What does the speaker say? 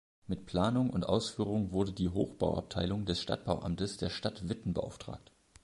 Mit Planung und Ausführung wurde die Hochbauabteilung des Stadtbauamtes der Stadt Witten beauftragt.